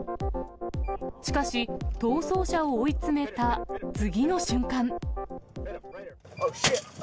しかし、逃走車を追い詰めた次の瞬間。